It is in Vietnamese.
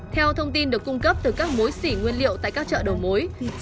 theo thông tin được cung cấp từ các mối xỉ nguyên liệu tại các chợ đầu mối